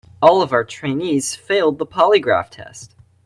All of our trainees failed the polygraph test.